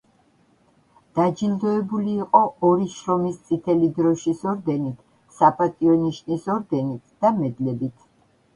დაჯილდოვებული იყო ორი შრომის წითელი დროშის ორდენით, „საპატიო ნიშნის“ ორდენით და მედლებით.